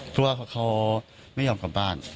เพราะว่าเขาไม่ยอมกลับบ้าน